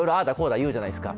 言うじゃないですか